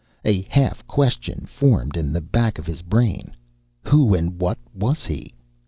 A half question formed in the back of his brain. Who and what was he?